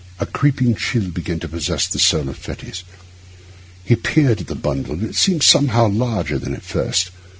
A creeping chill began to possess the soul of Fettes. He peered at the bundle, and it seemed somehow larger than at first.